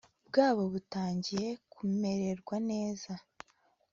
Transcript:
bwabo butangiye kumererwa neza